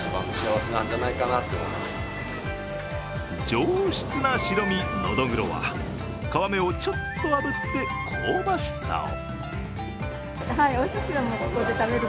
上質な白身、のどぐろは皮目をちょっとあぶって香ばしさを。